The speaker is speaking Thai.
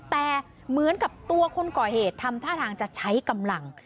แต่เหมือนกับตัวคนก่อเหตุทำท่าทางจะใช้กำลัง